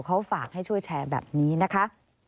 เขาฝากให้ช่วยแชร์แบบนี้นะคะ